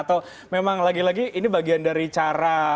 atau memang lagi lagi ini bagian dari cara